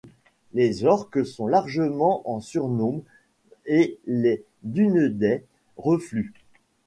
Les Orques sont largement en surnombre, et les Dúnedain refluent.